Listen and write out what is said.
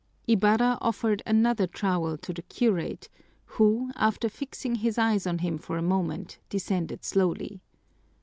Ibarra offered another trowel to the curate, who, after fixing his eyes on him for a moment, descended slowly.